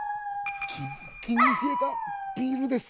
キンキンに冷えたビールです！